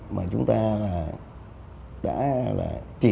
mà chúng ta đã tìm ra